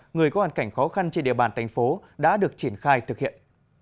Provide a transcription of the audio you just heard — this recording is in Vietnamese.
người có hoàn cảnh khó khăn trên địa bàn thành phố đã được triển khai thực hiện